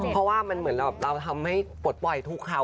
เพราะว่ามันเหมือนแบบเราทำให้ปลดปล่อยทุกครั้ง